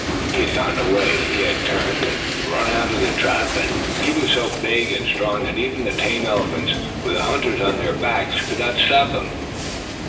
He had gotten away. He had turned, and run out of the trap, and he was so big and strong that even the tame elephants, with the hunters on their backs, could not stop him.